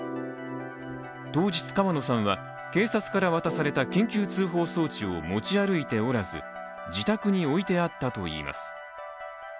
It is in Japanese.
当日、川野さんは警察から渡された緊急通報装置を持ち歩いておらず自宅に置いてあったといいます。